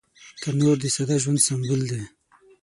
تنور د ساده ژوند سمبول دی